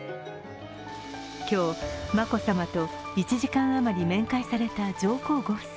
今日、眞子さまと１時間余り面会された上皇ご夫妻。